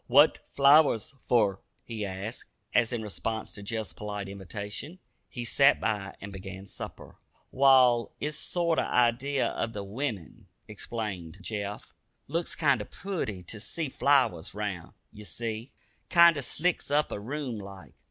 "What flowers fer?" he asked, as, in response to Jeff's polite invitation, he "sat by" and began supper. "Wall, it's a sorter idee of the wimmin," explained Jeff. "Looks kinder pooty to see flowers round; ye see, kinder slicks up a room like.